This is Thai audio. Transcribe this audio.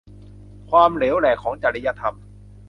ความเหลวแหลกของจริยธรรม